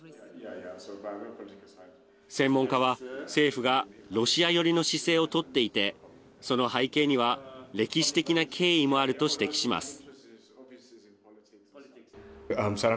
専門家は、政府がロシア寄りの姿勢を取っていてその背景には歴史的な経緯もあると指摘します。